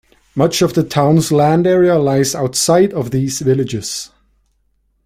Much of the town's land area lies outside of these villages.